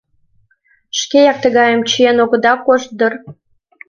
Шкеак тыгайым чиен огыда кошт дыр.